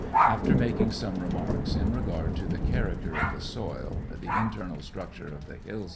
After making some remarks in regard to the character of the soil, the internal structure of the hills, &c..